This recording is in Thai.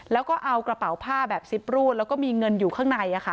แล้วก็เอากระเป๋าผ้าแบบซิบรูดแล้วก็มีเงินอยู่ข้างใน